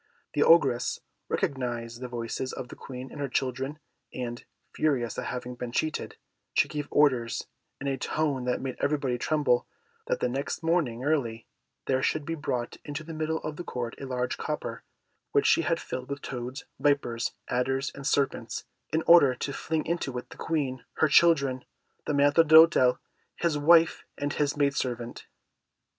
The Ogress recognised the voices of the Queen and her children, and, furious at having been cheated, she gave orders, in a tone that made everybody tremble, that the next morning early there should be brought into the middle of the court a large copper, which she had filled with toads, vipers, adders, and serpents, in order to fling into it the Queen, her children, the Maître d'Hôtel, his wife, and his maid servant.